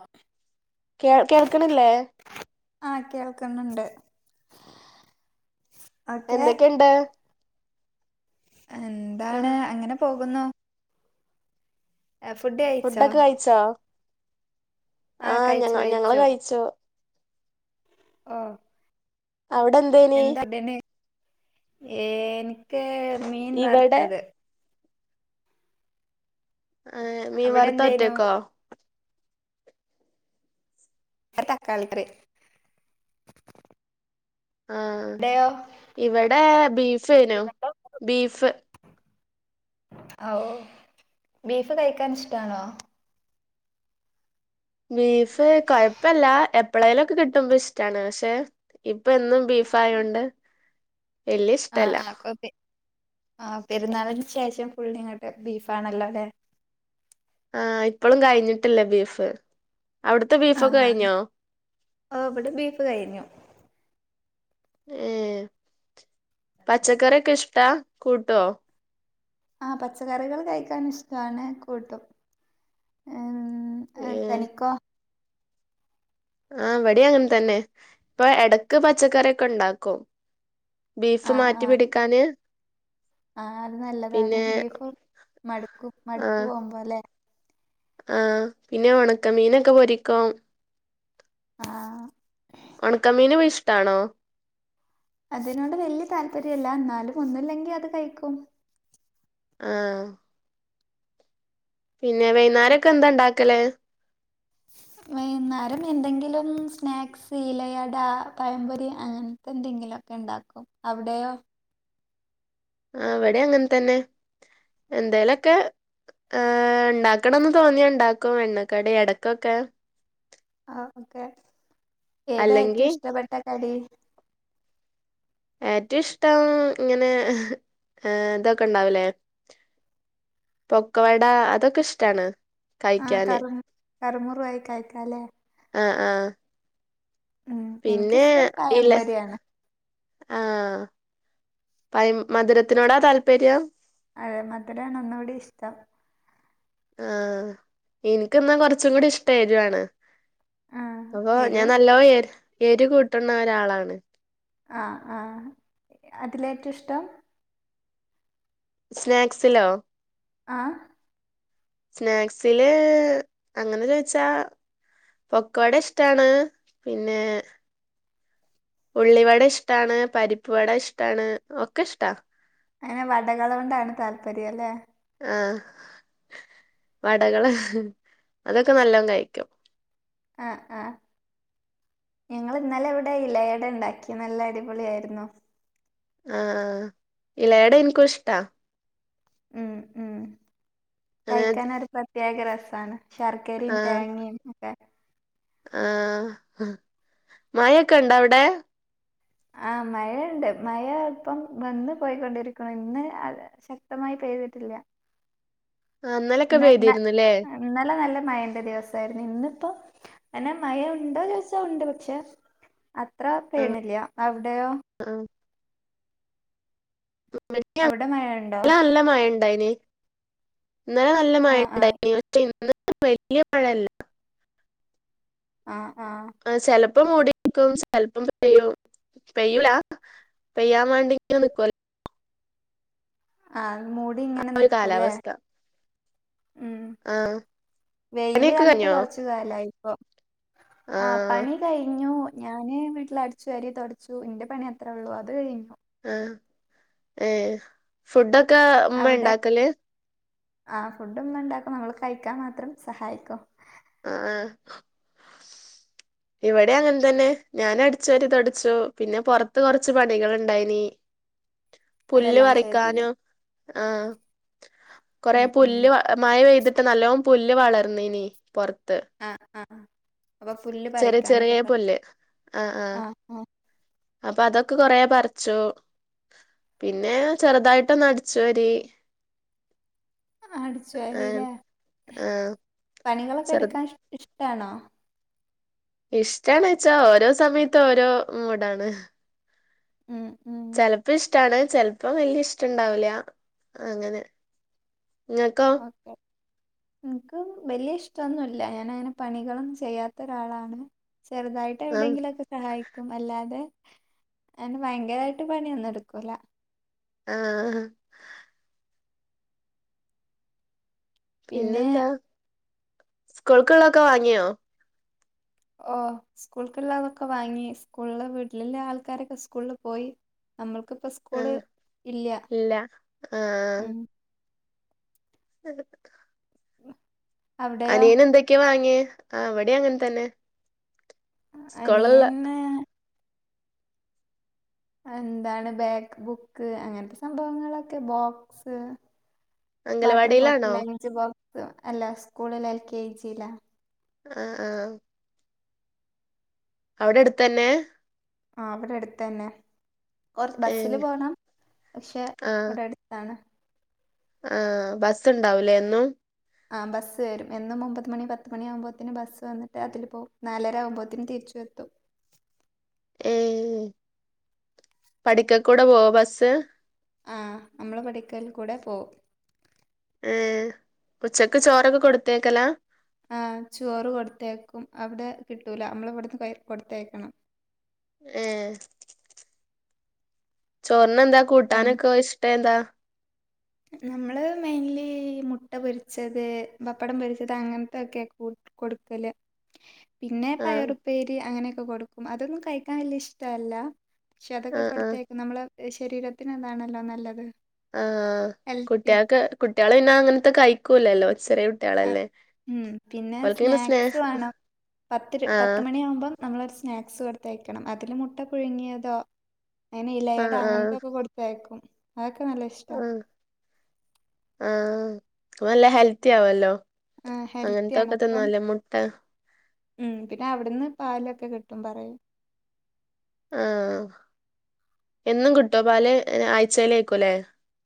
ആഹ് [inaudible] കേൾ കേൾക്കിണില്ലേ? ആ, കേൾക്ണ് ണ്ട്. എന്തെക്കെണ്ട്? ആ എന്താണ് അങ്ങനെ പോകുന്നു. എ, ഫുഡ്കഴിച്ചോ? ചാ... [unintelligible] ആ, ഞങ്ങ ഞങ്ങളൾ കഴിച്ചു. ആ. അവിടെന്ത്‌. എന്താ ബ [unintelligible] ന് എനിക് മീൻ വ ഇവിടെ റുത്തത്. ആ, മീൻ അവിടെ വറുത്തത് എന്തേനു ഒറ്റക്കോ? അ, തക്കാളക്കറി. ആ, ഇവെടെ ബീഫേനും ബീഫ്. ഔ. ബീഫ് കഴിക്കൻ ഇഷ്ടാണോ? ബീഫ് കൊഴപ്പല്ല. എപ്പോളേ ലൊക്കെ കിട്ടുമ്പോ ഇഷ്ടാണ്. പക്ഷേ ഇപ്പ എന്നും ബീഫായോണ്ട് വല്യ ആ, ഇഷ്ടല്ല ആ കൊപ്പി ആ പെരുന്നാളിന് ശേഷം ഫുൾ ഇങ്ങട്ട് ബീഫാണല്ലോ ല്ലേ. ആ, ഇപ്പളും കഴിഞ്ഞിട്ടില്ല ബീഫ്. അവിടു ആഹ് ആഹ് ഓഹ് ഇവിടെ ബീഫ് കഴിഞ്ഞു. ഏഹ് പച്ചക്കറിക്കെഷ്ട്ടാ കൂട്ടോ ആഹ് പച്ചക്കറികൾ കഴിക്കാനിഷ്ട്ടാണ് കൂട്ടും ഏഹ് ഏ ഏഹ് തനിക്കോ ആഹ് വടീം അങ്ങൻതന്നെ പ്പൊ എടക്ക് പച്ചക്കറിക്കെണ്ടാക്കും ബീഫ് ആഹ് ആഹ് മാറ്റിപിടിക്കാന് ആഹ് അത് നല്ലതാണ്. ബീഫ് മടുക്കും. മടുത്ത് ആഹ് പോകുമ്പോലെ ആഹ് പിന്നെ ഒണക്ക മീനൊക്കെ പൊരിക്കും. ആഹ് ഒണക്കമീനും ഇഷ്ട്ടാണോ അതിനോണ്ട് വല്ല്യ താല്പര്യല്ല ന്നാലും ഒന്നുംല്ലെങ്കിൽ അത് കഴിക്കും ആഹ് പിന്നെ വൈന്നാരൊക്കെ ന്താ ണ്ടാക്കല് വൈന്നാരം എന്തെങ്കിലും സ്നാക്സ് ഇലയട പയംപൊരി അങ്ങെൻ ത്തെന്തെങ്കിലോക്കെണ്ടാക്കും അവിടെയോ ആഹ് വിടെ അങ്ങൻതന്നെ എന്തോലൊക്കെ ആഹ് ണ്ടാക്കണംന്ന് തോന്നിയ ണ്ടാക്കും എണ്ണക്കടി എടക്കൊക്കെ ആഹ് ഒക്കെ ഏതാ ഏറ്റം അല്ലെങ്കി ഇഷ്ടപ്പെട്ട കടി ഏറ്റഷ്ടം ഇങ്ങനെ ഏഹ് തൊക്കെ ണ്ടാവുലേ പൊക്കവട അതൊക്കെഷ്ടാണ് ആഹ് കറൂം കറു മുറു ആയി കഴിക്കാലേ ആഹ് ആഹ് ഉം പിന്നെ എനിക്കിഷ്ടം ഇല്ല പഴംപൊരിയാണ് ആഹ് പൈ മധുരത്തിനോടാ താല്പര്യം അതെ മധുരാണ് ഒന്നൂടി ഇഷ്ടം ആഹ് ഇനിക്കെന്നാ കൊറച്ചും കൂടി ഇഷ്ടം എരുവാണ് ആഹ് അപ്പൊ എരു ഞാൻ നല്ലോം എർ എരു കൂട്ടുണ ഒരാളാണ് ആഹ് ആഹ് അതിലേറ്റം ഇഷ്ടം സ്നാക്സിലോ ആഹ് സ്നാക്സില് അങ്ങനെ ചോയിച്ചാ പൊക്കവട ഇഷ്ടാണ് പിന്നെ ഉള്ളിവട ഇഷ്ടാണ് പരിപ്പ് വട ഇഷ്ടാണ് ഒക്കെ ഇഷ്ട്ടാ അങ്ങനെ വടകളെ കൊണ്ടാണ് താല്പര്യം അല്ലെ ആഹ് വടകള് അതൊക്കെ നല്ലോണം കഴിക്കും ആഹ് ആഹ് ഞങ്ങള് ഇന്നലെ ഇവിടെ ഇലയട ഉണ്ടാക്കി നല്ല അടിപൊളിയായിരുന്നു ആഹ് ആഹ് ഇലയട ഇൻക്കും ഇഷ്ടാ ഉം ഉം അങ്ങനെ കഴിക്കാനൊരു പ്രത്യേക രസാണ് ശർക്കരയും ആഹ് തേങ്ങയും ഒക്കെ ആഹ് മഴെക്കെ ഉണ്ടോ അവിടെ ആഹ് മഴയുണ്ട് മഴ ഇപ്പം വന്ന് പോയിക്കൊണ്ടിരിക്ക്ണ് ഇന്ന് അ ശക്തമായി പെയ്തിട്ടില്ല ആഹ് ഇന്നലൊക്കെ ഇന്ന- ഇന്ന- പെയ്തിയിരുന്നു ല്ലേ ഇന്നലെ നല്ല മഴെൻ്റെ ദിവസായിരുന്നു ഇന്നിപ്പോ പിന്നെ മഴ ഉണ്ടോന്ന് ചോദിച്ചാ ഉണ്ട് പക്ഷെ അത്ര ആഹ് പെയ്യണില്ല അവിടെയോ ആഹ് മുറ്റം അവിടെ മഴ ഉണ്ടോ ഇവിടെ നല്ല മഴേണ്ട് ഉണ്ടായിന് ഇന്നലെ നല്ല ആ മഴ ആ ഉണ്ടായി പക്ഷെ ഇന്ന് വലിയ മഴയില്ല ആഹ് ആ ചെലപ്പം മൂടിക്കും ചെലപ്പം പെയ്യും പെയ്യൂല പെയ്യാൻ വേണ്ടി ഇങ്ങനെ നിക്കുവല്ലേ ആ മൂടി ആ ഇങ്ങനെ ഒരു നിക്കൂല്ലേ കാലാവസ്ഥ ഉം ആഹ് വെയില് പണിയൊക്കെ കണ്ടിട്ട് കഴിഞ്ഞോ കൊറച്ച് കാലായി ഇപ്പൊ ആ ആഹ് പണി അത് കഴിഞ്ഞു ഞാന് വീട്ടിൽ അടിച്ചു വാരി തൊടച്ചു എന്റെ പണി അത്രേ ഉള്ളൂ അത് കഴിഞ്ഞു ആഹ് ഏ ഫുഡൊക്കെ ഉമ്മാ ഉണ്ടാക്കല് ആ ഫുഡ് ഉമ്മ ഉണ്ടാക്കും നമ്മള് കഴിക്കാൻ മാത്രം സഹായിക്കും ആഹ് ഇവിടെ അങ്ങനെ തന്നെ ഞാൻ അടിച്ചു വാരി തുടച്ചു പിന്നെ പൊറത്ത് കൊറച്ച് പണികൾ ഉണ്ടായിനി പുല്ല് അതെല്ലാം ചെയ്തൂലേ പറിക്കാനും ആ കൊറെ ഉം ഉം പുല്ല് മഴ പെയ്തിട്ട് നല്ലോണം പുല്ല് വളർന്നീനി പൊറത്ത് ആഹ് ആ അപ്പൊ പുല്ല് ചെറിയ ചെറിയ പറിക്കാനൊക്കെ പുല്ല് ആഹ് ആ അപ്പൊ അതൊക്കെ കൊറേ പറിച്ചൂ പിന്നെ ചെറുതായിട്ടൊന്ന് അടിച്ചു വാരി അടിച്ച് ആഹ് വരില്ലേ ആഹ് പണികളൊക്കെ ചെറു എടുക്കാൻ ഇഷ്ടാണോ ഇഷ്ടാണോ വെച്ചാ ഓരോ സമയത്തും ഓരോ മൂഡാണ് ഉം ഉം ചെലപ്പ ഇഷ്ടാണ് ചെലപ്പ വല്യ ഇഷ്ടം ഇണ്ടാവൂല അങ്ങനെ ഇങ്ങക്കോ ഓക്കെ എനക്ക് വലിയ ഇഷ്ടോന്നൂല്ല ഞാൻ അങ്ങന പണികളും ചെയ്യാത്ത ഒരാളാണ് ചെറുതായിട്ട് ആഹ് എവിടെയെങ്കിലും ഒക്കെ സഹായിക്കും അല്ലാതെ അങ് ഭയങ്കരായിട്ട് പണിയൊന്നും എടുക്കൂല്ല ആഹ് പിന്നെ പിന്നെന്താ സ്കൂൾക്കുള്ളൊക്കെ വാങ്ങിയോ ഓഹ് സ്കൂള്ക്ള്ളതൊക്ക വാങ്ങി സ്കൂൾ വീട്ടില്ള്ള ആൾക്കാരൊക്കെ സ്കൂള് പോയി നമ്മൾക്പ്പ സ്കൂള് ആഹ് ഇല്ല മ്ം ഉ [unintelligible] അവിടെയോ അനിയന് എന്തൊക്കെയാ വാങ്ങിയെ ആഹ് ഇവിടെം അങ്ങനെ തന്നെ സ്കൂളുള്ള അനിയന് എന്താണ് ബാഗ് ബുക്ക് അങ്ങനത്തെ സംഭവങ്ങളൊക്കെ ബോക്സ് വാട്ടർ ബോട്ടിൽ അംഗലവാടിയിലാണോ ലഞ്ച് ബോക്സ് അല്ല സ്കൂളില് എൽ കെ ജി ലാ ആഹ് ആഹ് അവിടെ അട്ത്തന്നെ ആഹ് ഇവിടെ അട്ത്തന്നെ കൊ ബസില് ഏഹ് പോണം പക്ഷെ ആഹ് ഇവിടെ അട് എന്താണ് ആഹ് ബസ് ണ്ടാവൂലേ എന്നും ആഹ് ബസ് വരും എന്നും ഒമ്പത് മണി പത്ത് മണി ആകുമ്പോത്തിന് ബസ് വന്നിട്ട് അതില് പോവും നാലര ആവുമ്പോത്തിന് തിരിച്ചെത്തും ഏഹ് പഠിക്കക്കൂടെ പോവോ ബസ്സ് ആ നമ്മളെ പഠിക്കൽ കൂടെ പോവും ഉം ഉച്ചക്ക് ചോറൊക്കെ കൊടുത്തയക്കലാ ആ ചോറ് കൊടുത്തയക്കും അവിടെ കിട്ടൂല നമ്മള് ഇവിടുന്ന് കയ്യി കൊടുത്തയക്കണം ഏ ചോറ്നെന്താ ഉം കൂട്ടാനൊക്ക ഓന് ഇഷ്ടേതാ? നമ്മള് മെയിൻലി മുട്ട പൊരിച്ചത് പപ്പടം പൊരിച്ചത് അങ്ങനത്തൊക്ക കൂ കൊടുക്കല് പിന്നെ ആഹ് പയറുപ്പേരി അങ്ങനെയൊക്കെ കൊടുക്കും അതൊന്നും കഴിക്കാൻ വല്യ ഇഷ്ടല്ല പക്ഷെ അതൊക്കെ ആഹ് ആഹ് കൊടുത്തയക്കും നമ്മളെ ശരീരത്തിന് അതാണല്ലോ നല്ലത് ആ ഹെൽത്തി കുട്ട്യേൾക്ക് കുട്ട്യേള് പിന്നെ അങ്ങനത്തെ കഴിക്കൂല്ലല്ലോ ചെറിയ കു ആ ഉം പിന്നെ സ്നേഹ സ്നാക്സ് വാണം പത്തിര് പത്ത് ആഹ് മണിയാമ്പം നമ്മളൊരു സ്നാക്സ് കൊടുത്തയക്കണം അതില് മുട്ട പുഴുങ്ങിയതോ അയ്ന് ഇലയട ആഹ് ആഹ് അങ്ങനത്തെക്കെ കൊടു ത്തയക്കും അതൊക്കെ നല്ല ഇഷ്ട ആ അത് നല്ല ഹെൽത്തി ആവല്ലോ ആ ഹെൽത്തിയാണ് അങ്ങനത്തൊക്കെ അപ്പം തിന്നാല് മുട്ട ഉം പിന്ന അവിടുന്ന് പാലൊക്കെ കിട്ടും പറയും ആ എന്നും കിട്ടോ പാല് ആഴ്ചയിലെക്കുലേ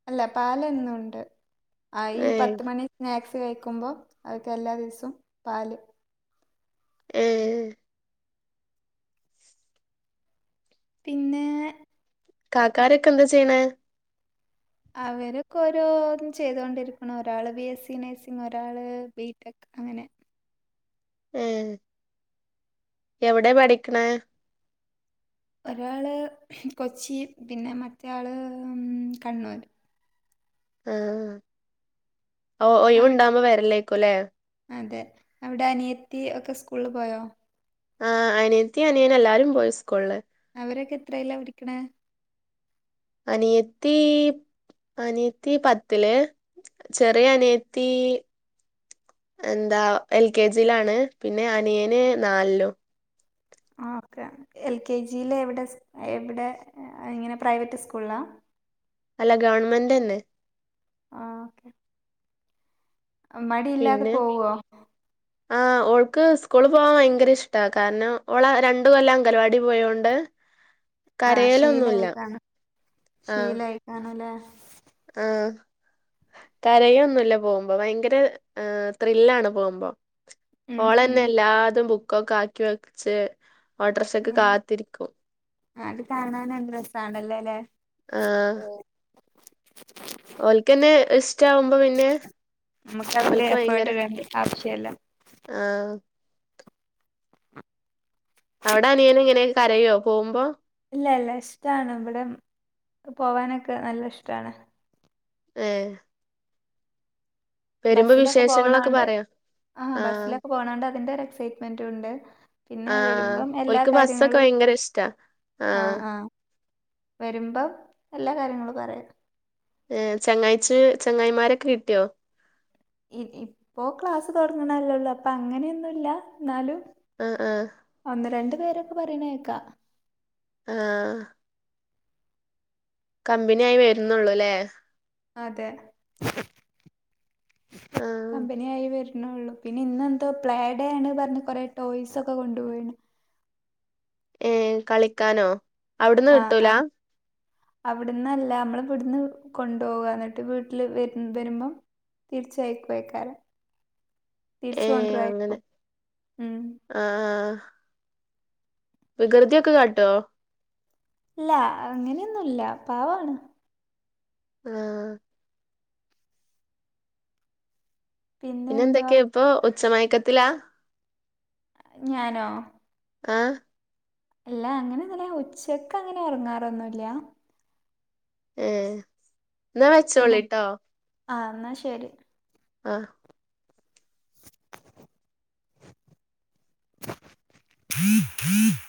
അല്ല പാലെന്നുണ്ട് ആ ഈ ഏഹ് പത്ത്മണി സ്നാക്സ് കഴിക്കുമ്പോ അതിക്ക് എല്ലാ ദിവസോം പാല് ഉം പിന്നെ അഹ് കാക്കാരൊക്കെ എന്താ ചെയ്യണേ? അവരൊക്കെ ഓരോന്നും ചെയ്തോണ്ടിരിക്ണ് ഒരാള് ബി എസ് സി നഴ്സിംഗ് ഒരാള് ബി ടെക് അങ്ങനെ ഏ എവടെ പഠിക്ക്ണേ? ഒരാള് കൊച്ചി പിന്നെ മറ്റയാള് മ്മ് കണ്ണൂർ ഏ ഓ ഒയിവ് അവിടെ ണ്ടാകുമ്പോ വരലേക്കുല്ലേ അതെ അവിടെ അനിയത്തി ഒക്കെ സ്കൂളില് പോയോ? ആ അനിയത്തി അനിയനു എല്ലാരും പോയി സ്കൂളില് അവരൊക്കെ എത്രയിലാ പഠിക്ക്ണെ? അനിയത്തീ അനിയത്തി പത്തില് ചെറിയ അനിയത്തി എന്താ എൽ കെ ജി യിലാണ് പിന്നെ അനിയന് നാലിലും ആ ഓക്കെ എൽ കെ ജില് എവിടെസ് എവിടെ അ ഇങ്ങനെ പ്രൈവറ്റ് സ്കൂളിലാ അല്ല ഗവൺമെന്റന്നെ ആ അ മടിയില്ലാതെ പോവോ? ആ ഓൾക്ക് സ്കൂള് പോകാൻ ഭയങ്കര ഇഷ്ടാ കാരണം ഓള് രണ്ടു കൊല്ലം അങ്കല വാടീ പോയോണ്ട് ആ കരയലൊന്നുല്ല ശീലായിക്കാണും ശീലായിക്കാണും അല്ലേ ആ കരയൊന്നുല്ല പോവൂമ്പൊ ഭയങ്കര ഏ ത്രില്ലാണ് പോവൂമ്പൊ ഉം, ഉം. ഓളന്നെ എല്ലാതും ബുക്കൊക്കെ ആക്കി വെച്ച് ഓട്ടോറിക്ഷക്ക് ഞാൻ- കാത്തിരിക്കും അത് കാണാനെന്തു രസാണല്ലല്ലേ ഉം ഓൽക്കെന്നെ ഇഷ്ടാവും നമുക്കാണെങ്കി എഫേർട്ട് ഭയങ്കര ഇടേണ്ട ആവശ്യല്ല ആഹ് അവിട് അനിയൻ എങ്ങനെ കരയോ പോമ്പോ ഇല്ല ഇല്ല ഇഷ്ടാണ് ഇവിടെ പോവാനൊക്കെ നല്ല ഇഷ്ടാണ് ഏഹ് വരുമ്പോ ബസ്സിലൊക്കെ വിശേഷങ്ങളൊക്കെ പോണണ്ട് പറയോ ആ ബസ്സിലൊക്കെ പോകുന്നോണ്ട് ആഹ് ബസിലൊക്കെ പോകുന്നോണ്ട് അതിന്റെ ഒരു എക്സൈറ്റ്മെന്റ് ഉണ്ട് പിന്നെ ആഹ് വരുമ്പം എല്ലാ ഓൽക്ക് ബസ്സൊക്കെ കാര്യങ്ങളും ഭയങ്കര ഇഷ്ടാ ആഹ് ആഹ് വരുമ്പം എല്ലാ കാര്യങ്ങളും പറയും ഏഹ് ചങ്ങായിച്ച് ചങ്ങായിമാരൊക്കെ കിട്ടിയോ ഇഹ് ഇപ്പോ ക്ലാസ് തുടങ്ങണല്ലേള്ളൂ അപ്പൊ അങ്ങനെയൊന്നുമില്ല എന്നാലും ആഹ് ആഹ് ഒന്ന് രണ്ടു പേരൊക്കെ പറയണ കേക്കാം ആഹ് കമ്പനി ആയി വരുന്നുള്ളൂ ല്ലേ അതെ ആഹ് കമ്പനി ആയി വരും ന്നുള്ളു പിന്നെ ഇന്നെന്തോ പ്ലേ ഡേ ആണെ പറഞ്ഞ് കുറെേ ടോയ്സ് ഒക്കെ കൊണ്ടുപോയീണ് ഏഹ് കളിക്കാനോ അവിടുന്ന് ആഹ് കിട്ടൂല ആഹ് അവിടന്നല്ല അമ്മള് ഇവിടുന്ന് കൊണ്ടു പോവാ എന്നിട്ട് വീട്ടില് വരു വരുമ്പം തീർച്ചയക്കുക്കാരെ ഏ തിരിച്ചു കൊണ്ടരായിരിക്കും ഉം ആഹ് ആഹ് വികൃതി ഒക്കെ കാട്ടോ ഇല്ല അങ്ങനെയൊന്നും ഇല്ല പാവാണ് ആഹ് പിന്നെ എന്തുവാ പിന്നെന്തൊക്കെയാ ഇപ്പ ഉച്ച മയക്കത്തിലാ ഞാനോ ആഹ് അല്ല അങ്ങനൊന്നും ഇല്ല ഉച്ചയ്ക്ക് അങ്ങനെ ഒറങ്ങാറൊന്നും ഇല്ല ഏഹ് എന്നാ വെച്ചോളീട്ടോ ആഹ് എന്നാ ശരി ആഹ് ം ം [unintelligible]